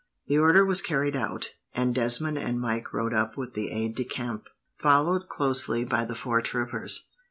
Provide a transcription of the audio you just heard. The order was carried out, and Desmond and Mike rode up with the aide de camp, followed closely by the four troopers.